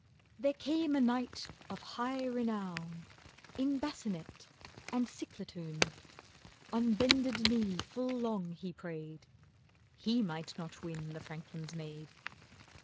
There came a knight of high renown In bassinet and ciclatoun; On bended knee full long he prayed— He might not win the franklin's maid.